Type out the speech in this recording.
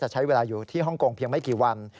ใช้เวลาอยู่ที่ฮ่องกงเพียงไม่กี่วัน